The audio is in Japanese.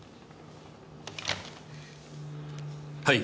はい。